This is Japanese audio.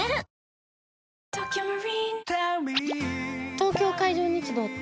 東京海上日動って？